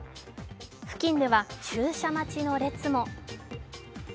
付近では駐車待ちの列も。